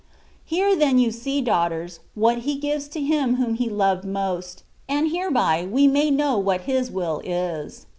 Here then you see, daughters, what He gives to Him whom He loved most ; and hereby we may know what His will is.